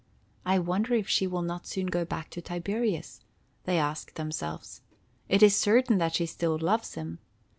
"I wonder if she will not soon go back to Tiberius?" they asked themselves. "It is certain that she still loves him.